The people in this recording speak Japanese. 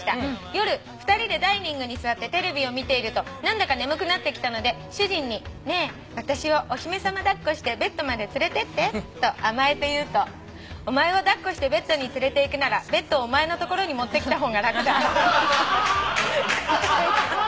「夜２人でダイニングに座ってテレビを見ていると何だか眠くなってきたので主人に『ねえ私をお姫さま抱っこしてベッドまで連れてって』と甘えて言うと『お前を抱っこしてベッドに連れていくならベッドをお前の所に持ってきた方が楽だ』」